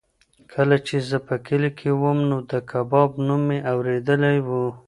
کله چې زه په کلي کې وم نو د کباب نوم مې اورېدلی و.